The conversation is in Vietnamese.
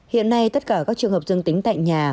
hiện nay tất cả các trường hợp dương tính tại nhà